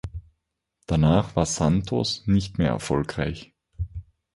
Danach war "Santos" nicht mehr erfolgreich.